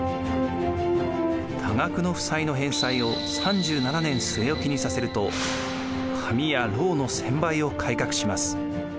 多額の負債の返済を３７年据え置きにさせると「紙」や「ろう」の専売を改革します。